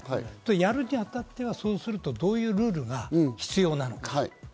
やるに当たっては、そうするとどういうルールが必要なのか。